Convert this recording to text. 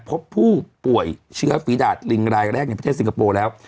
พบผู้ป่วยเชื้อฝีดาดลิงรายแรกในประเทศสิงคโปร์แล้ว